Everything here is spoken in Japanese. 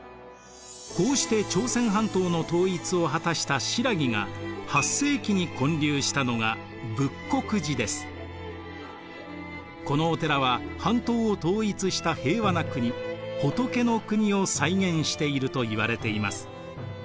こうして朝鮮半島の統一を果たした新羅が８世紀に建立したのがこのお寺は半島を統一した平和な国仏の国を再現しているといわれています。